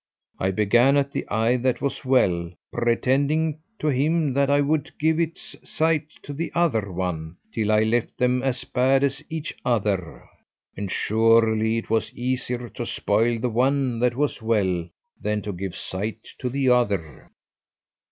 I began at the eye that was well, pretending to him that I would give its sight to the other one, till I left them as bad as each other; and surely it was easier to spoil the one that was well than to give sight to the other.